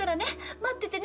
待っててね。